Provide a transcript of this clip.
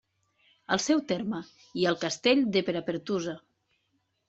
Al seu terme hi ha el castell de Perapertusa.